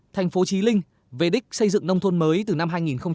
thành phố trí linh về đích xây dựng nông thôn mới từ năm hai nghìn một mươi